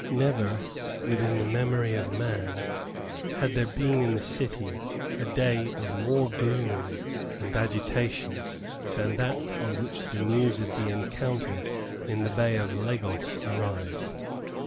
Never within the memory of man had there been in the City a day of more gloom and agitation than that on which the news of the encounter in the Bay of Lagos arrived.